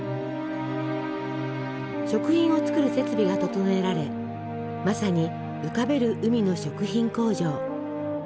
食品を作る設備が整えられまさに「浮かべる海の食品工場」。